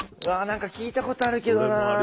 何か聞いたことあるけどなあ。